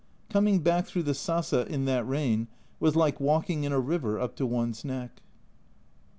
Coming back through the sasa in that rain was like walking in a river up to one's neck.